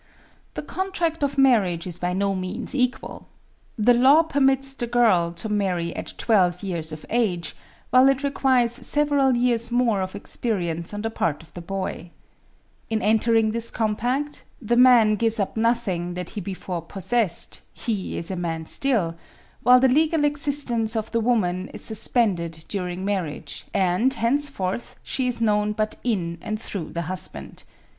"The contract of marriage is by no means equal. The law permits the girl to marry at twelve years of age, while it requires several years more of experience on the part of the boy. In entering this compact, the man gives up nothing that he before possessed, he is a man still; while the legal existence of the woman is suspended during marriage, and, henceforth, she is known but in and through the husband.